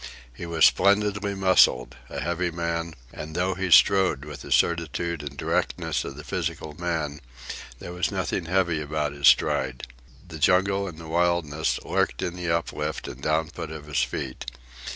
He was splendidly muscled, a heavy man, and though he strode with the certitude and directness of the physical man, there was nothing heavy about his stride. The jungle and the wilderness lurked in the uplift and downput of his feet.